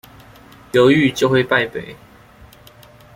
猶豫，就會敗北